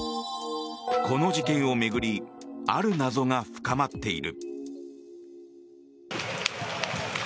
この事件を巡りある謎が深まっている。